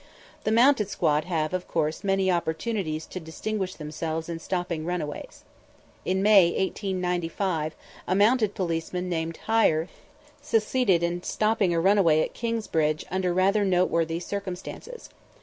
The mounted squad have, of course, many opportunities to distinguish themselves in stopping runaways. In May, 1895, a mounted policeman named Heyer succeeded in stopping a runaway at Kingsbridge under rather noteworthy circumstances.